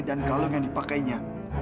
dan kalung yang dipakainya